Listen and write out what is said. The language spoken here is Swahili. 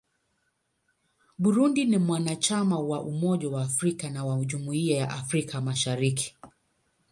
Burundi ni mwanachama wa Umoja wa Afrika na wa Jumuiya ya Afrika Mashariki.